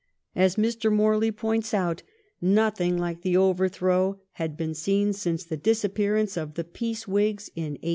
As Mr. Morley points out, nothing like the overthrow had been seen since the disappearance of the Peace Whigs in 1812.